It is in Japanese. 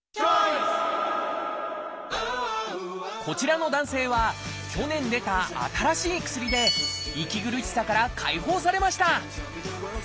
こちらの男性は去年出た新しい薬で息苦しさから解放されました。